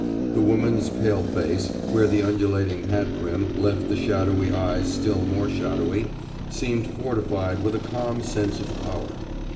The woman's pale face, where the undulating hat brim left the shadowy eyes still more shadowy, seemed fortified with a calm sense of power.